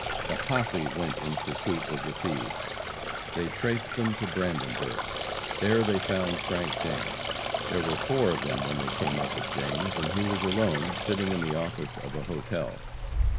A posse went in pursuit of the thieves. They traced them to Brandenburg. There they found Frank James. There were four of them when they came up with James, and he was alone, sitting in the office of a hotel.